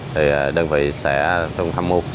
thì đơn vị sẽ trong thăm mưu